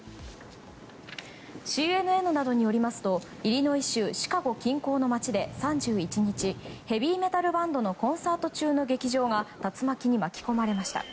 ＣＮＮなどによりますとイリノイ州シカゴ近郊の街で３１日ヘビーメタルバンドのコンサート中の劇場が竜巻に巻き込まれました。